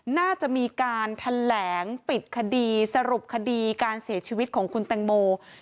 น่าจะมีการแถลงปิดคดีสรุปคดีการเสียชีวิตของคุณแตงโม